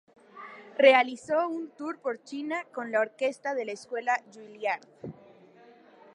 Realizó un tour por China con la Orquesta de la Escuela Juilliard.